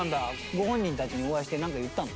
ご本人たちにお会いしてなんか言ったの？